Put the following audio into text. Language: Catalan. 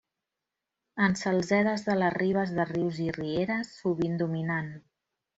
En salzedes de les ribes de rius i rieres, sovint dominat.